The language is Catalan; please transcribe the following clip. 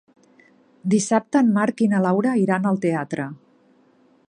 Dissabte en Marc i na Laura iran al teatre.